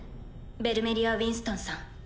ベルメリア・ウィンストンさん。